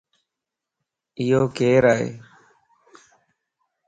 ايو ڪيرائي؟